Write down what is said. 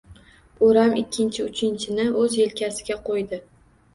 O’ram ikkinchi uchini o‘z yelkasiga qo‘ydi.